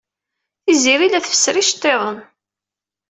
Tiziri la tfesser iceḍḍiḍen.